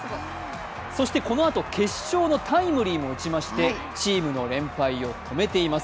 そしてこのあと決勝のタイムリーも打ちましてチームの連敗を止めています。